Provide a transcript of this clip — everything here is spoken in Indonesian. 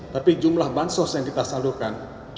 jadi jumlah bansos yang kita salurkan